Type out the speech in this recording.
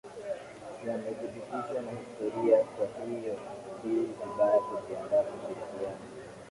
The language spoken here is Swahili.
yamethibitishwa na historia Kwa hiyo si vibaya kujiandaa kushirikiana